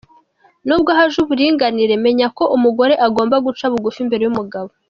Nubwo haje uburinganire, menya ko umugore agomba guca bugufi imbere y’umugabo.